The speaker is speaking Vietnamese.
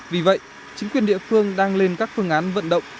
vì vậy chính quyền địa phương đang lên các phương án vận động